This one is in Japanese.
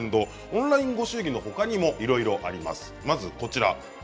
オンラインご祝儀のほかにもいろいろあります。